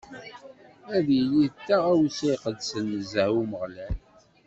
Ad yili d taɣawsa iqedsen nezzeh i Umeɣlal.